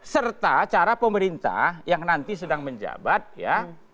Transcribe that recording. serta cara pemerintah yang nanti sedang menjabat ya